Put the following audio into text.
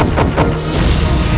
akan berjaga jaga di sekitar situ